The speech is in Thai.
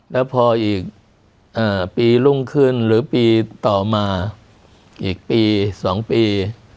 แล้วพออีกปีรุ่งขึ้นหรือปีต่อมาอีกปี๒ปี